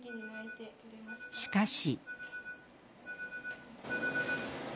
しかし。